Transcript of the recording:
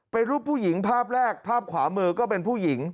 เป็นรูปผู้หญิงภาพแรกภาพขวามือก็เป็นผู้หญิง